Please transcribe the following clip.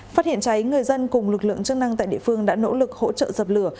phát hiện cháy người dân cùng lực lượng chức năng tại địa phương đã nỗ lực hỗ trợ dập lửa